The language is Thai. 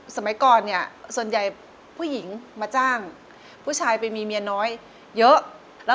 สมัยก่อนเนี่ยส่วนใหญ่ผู้หญิงมาจ้างผู้ชายไปมีเมียน้อยเยอะ